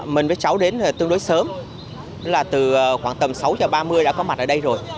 mình với cháu đến tương đối sớm là từ khoảng tầm sáu giờ ba mươi đã có mặt ở đây rồi